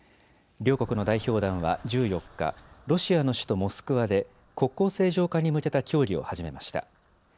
両国の代表団は１４日、ロシアの首都モスクワで国交正常化に向けた協議を始めました。